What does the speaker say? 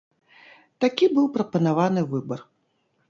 Такі быў прапанаваны выбар.